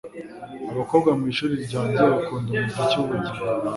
Abakobwa mwishuri ryanjye bakunda umuziki wubugingo,